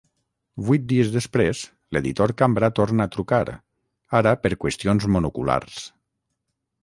Vuit dies després, l'editor Cambra torna a trucar, ara per qüestions monoculars.